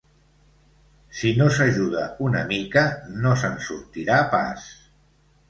Si no s'ajuda una mica, no se'n sortirà pas.